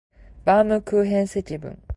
バームクーヘン積分